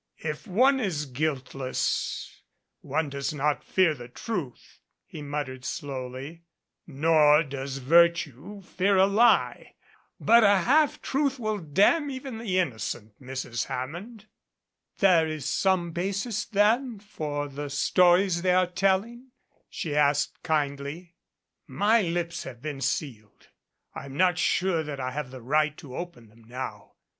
"If one is guiltless one does not fear the truth," he muttered slowly, "nor does virtue fear a lie but a half truth will damn even the innocent, Mrs. Hammond." "There is some basis then for the stories they are tell ing?" she asked kindly. "My lips have been sealed. I'm not sure that I have the right to open them now.